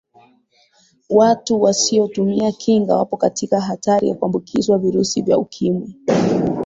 watu wasiyotumia kinga wapo katika hatari ya kuambukizwa virusi vya ukimwi